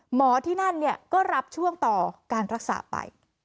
หมอที่นั่นก็รับช่วงต่อการรักษาไป